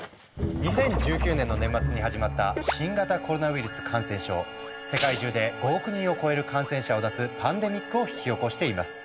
２０１９年の年末に始まった世界中で５億人を超える感染者を出すパンデミックを引き起こしています。